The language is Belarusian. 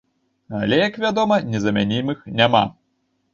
Але, як вядома, незамянімых няма!